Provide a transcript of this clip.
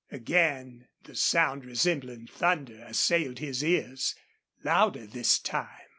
Again the sound resembling thunder assailed his ears, louder this time.